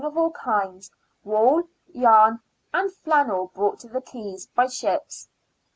15 of all kinds, wool, yam and flannel brought to the quays by ships.